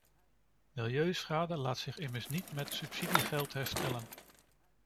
Milieuschade laat zich immers niet met subsidiegeld herstellen.